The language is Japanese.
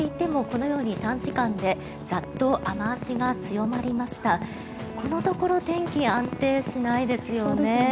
このところ天気は安定しないですよね。